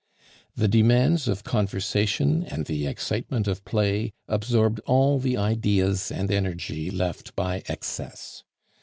The demands of conversation and the excitement of play absorbed all the ideas and energy left by excess.